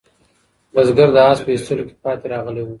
بزګر د آس په ایستلو کې پاتې راغلی و.